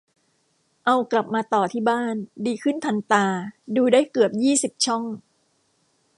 เอากลับมาต่อที่บ้าน ดีขึ้นทันตา ดูได้เกือบยี่สิบช่อง